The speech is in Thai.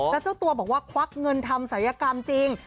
แล้วเจ้าตัวบอกว่าควักเงินทำศัยกรรมจริง